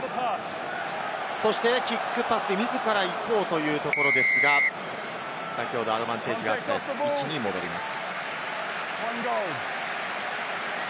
そしてキックパスで自ら行こうというところですが、アドバンテージが戻ります。